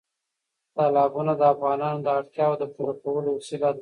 تالابونه د افغانانو د اړتیاوو د پوره کولو وسیله ده.